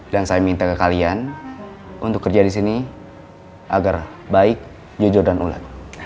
dan saya minta ke kalian untuk kerja di sini agar baik jujur dan ulat